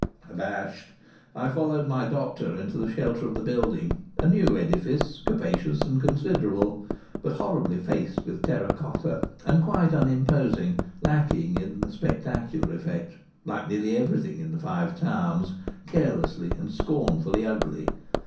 Abashed, I followed my doctor into the shelter of the building, a new edifice, capacious and considerable, but horribly faced with terra cotta, and quite unimposing, lacking in the spectacular effect; like nearly everything in the Five Towns, carelessly and scornfully ugly!